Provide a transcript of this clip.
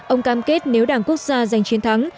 ông cam kết nếu đảng quốc gia giành chiến thắng